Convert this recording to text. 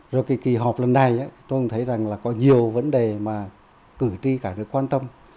rồi cái kỳ họp lần này tôi cũng thấy rằng là có nhiều vấn đề mà cử tri cả nước quan tâm